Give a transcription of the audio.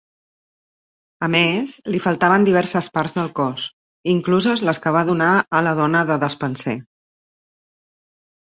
A més, li faltaven diverses parts del cos, incluses les que va donar a la dona de Despenser.